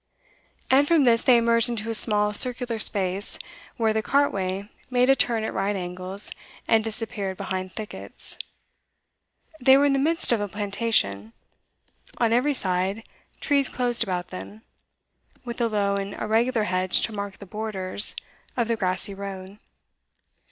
And from this they emerged into a small circular space, where the cartway made a turn at right angles and disappeared behind thickets. They were in the midst of a plantation; on every side trees closed about them, with a low and irregular hedge to mark the borders of the grassy road.